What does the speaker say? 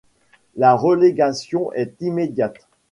La relégation est immédiate.